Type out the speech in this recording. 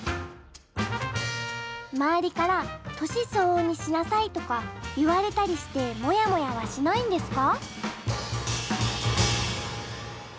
周りから年相応にしなさいとか言われたりしてもやもやはしないんですか？